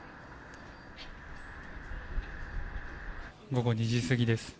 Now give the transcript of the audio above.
午後２時過ぎです。